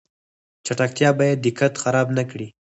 چټکتیا باید دقت خراب نکړي